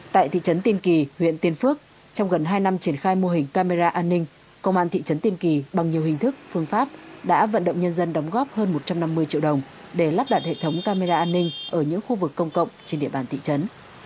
tại thị trấn tiên kỳ huyện tiên phước trong gần hai năm triển khai mô hình camera an ninh công an thị trấn tiên kỳ bằng nhiều hình thức phương pháp đã vận động nhân dân đóng góp hơn một trăm năm mươi triệu đồng để lắp đặt hệ thống camera an ninh ở những khu vực công cộng trên địa bàn thị trấn